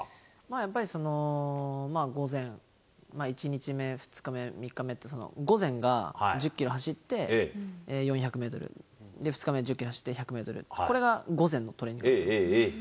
やっぱり午前、１日目、２日目、３日目って、午前が１０キロ走って、４００メートル、２日目１０キロ走って１００メートル、これが午前のトレーニングなんですけど。